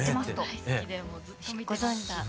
大好きでもうずっと見てました。